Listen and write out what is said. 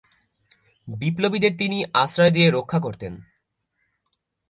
বিপ্লবীদের তিনি আশ্রয় দিয়ে রক্ষা করতেন।